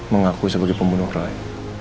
mengaku sebagai pembunuh roy